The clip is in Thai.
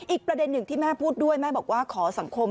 อีกประเด็นหนึ่งที่แม่พูดด้วยแม่บอกว่าขอสังคม